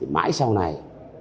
mãi sau này